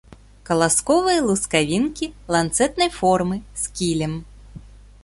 Каласковыя лускавінкі ланцэтнай формы, з кілем.